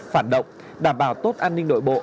phản động đảm bảo tốt an ninh nội bộ